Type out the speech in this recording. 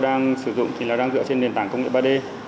đang sử dụng thì là đang dựa trên nền tảng công nghệ ba d